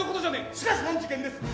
しかし難事件です。